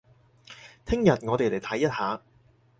聽日我哋嚟睇一下